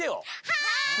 はい！